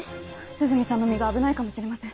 涼見さんの身が危ないかもしれません！